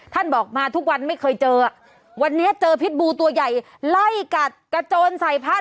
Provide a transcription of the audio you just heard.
บอกมาทุกวันไม่เคยเจออ่ะวันนี้เจอพิษบูตัวใหญ่ไล่กัดกระโจนใส่พัด